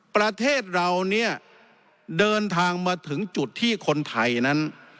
ประเทศเราเนี่ยเดินทางมาถึงจุดที่คนไทยนั้น